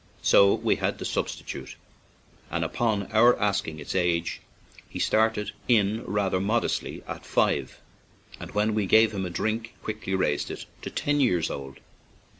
So we had the substitute, and, upon our asking its age, he started in rather modestly at "five," and when we gave him a drink quickly raised it to " ten year old."